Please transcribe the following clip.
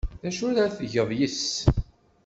D acu ara tgeḍ yes-s?